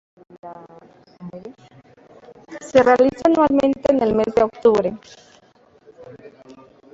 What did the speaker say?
Se realiza anualmente en el mes de octubre.